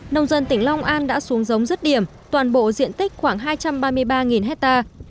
nông dân tỉnh long an đã xuống giống rứt điểm toàn bộ diện tích khoảng hai trăm ba mươi ba hectare